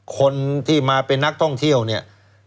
คนที่มาเป็นนักท่องเที่ยวเนี่ย